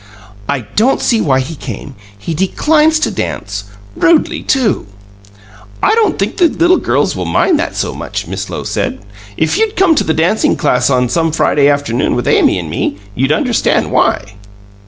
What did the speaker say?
"I don't see why he came. He declines to dance rudely, too!" "I don't think the little girls will mind that so much!" Miss Lowe said. "If you'd come to the dancing class some Friday with Amy and me, you'd understand why."